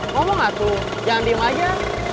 ngomong aku jangan diam aja